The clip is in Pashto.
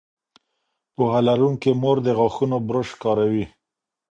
پوهه لرونکې مور د غاښونو برش کاروي.